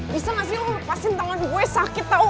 bisa gak sih lo lepasin tangan gue sakit tau